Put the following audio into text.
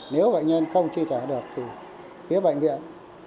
nếu bệnh nhân không chi trả được thì phía bệnh viện